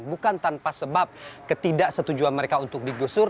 bukan tanpa sebab ketidaksetujuan mereka untuk digusur